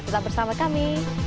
tetap bersama kami